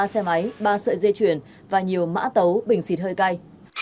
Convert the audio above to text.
một mươi ba xe máy ba sợi dây chuyển và nhiều mã tấu bình xịt hơi cay